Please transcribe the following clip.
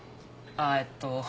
ああえっと